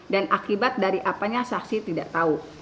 dan akibat dari apanya saksi tidak tahu